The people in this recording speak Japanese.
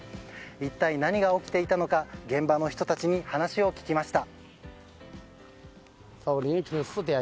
一体、何が起きていたのか現場の人たちに話を聞きました。